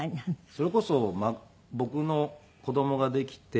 それこそ僕の子供ができて。